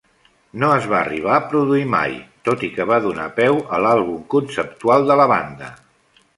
No es va arribar a produir mai, tot i que va donar peu a l'àlbum conceptual de la banda.